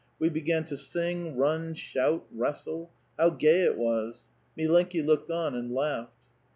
We began to sing, run, shout, wrestle ; how gay it was ! MUenki looked on and laughed."